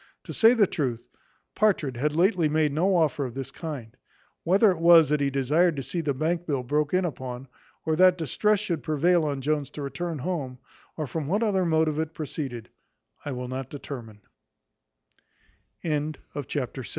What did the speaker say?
To say the truth, Partridge had lately made no offer of this kind. Whether it was that he desired to see the bank bill broke in upon, or that distress should prevail on Jones to return home, or from what other motive it proceeded, I will not determine. Chapter vii. Containing the whole humours of a masquerade.